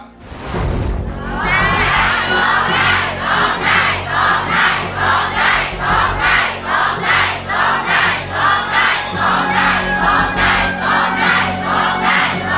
โครงใจโครงใจโครงใจโครงใจ